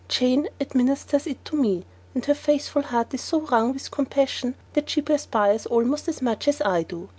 Jane administers it to me, and her faithful heart is so wrung with compassion that she perspires almost as much as I do.